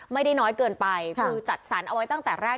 ไม่ได้น้อยเกินไปคือจัดสรรเอาไว้ตั้งแต่แรก